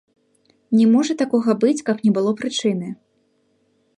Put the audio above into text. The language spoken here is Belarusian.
Не можа такога быць, каб не было прычыны!